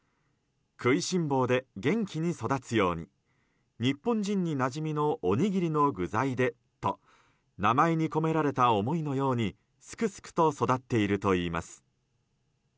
食いしん坊で元気に育つように日本人になじみのおにぎりの具材でと名前に込められた思いのようにすくすくと育っているといいます。